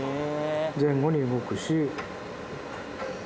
前後に動くし。